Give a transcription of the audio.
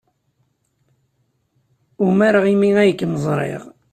Umareɣ imi ay kem-ẓriɣ.